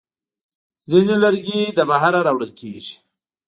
ځینې لرګي له بهره راوړل کېږي.